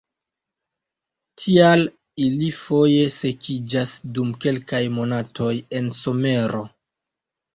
Tial, ili foje sekiĝas dum kelkaj monatoj en somero.